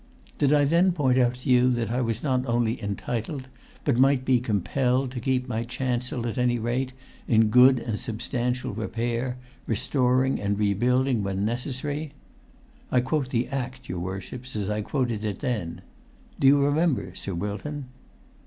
"Did I then point out to you that I was not only entitled, but might be compelled, to keep my chancel, at any rate, 'in good and substantial repair, restoring and rebuilding when necessary'? I quote the Act, your worships, as I quoted it then. Do you remember, Sir Wilton?"